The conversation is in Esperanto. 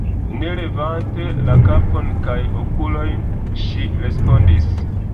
Ne levante la kapon kaj okulojn, ŝi respondis: